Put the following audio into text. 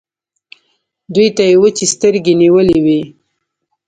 دوی ته يې وچې سترګې نيولې وې.